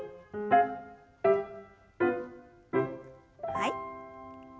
はい。